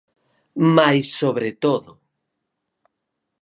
Mais sobre todo.